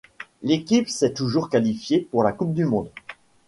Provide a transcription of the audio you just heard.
L'équipe s'est toujours qualifiée pour la Coupe du monde.